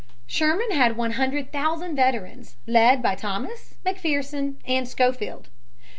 Sherman had one hundred thousand veterans, led by Thomas, McPherson, and Schofield.